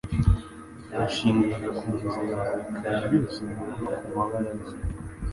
Bayashingaga ku nzira, mu bikari by'urusengero no ku mabaraza